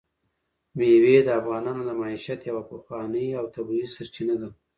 مېوې د افغانانو د معیشت یوه پخوانۍ او طبیعي سرچینه ده.